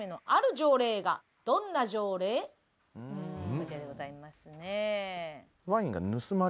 こちらでございますね。